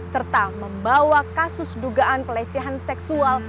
serta membawa kasus dugaan pelecehan seksual